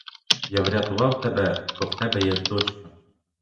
Я врятував тебе, бо в тебе є дочка.